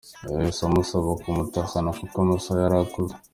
Yahise amusaba kumutahana kuko amasaha yari akuze.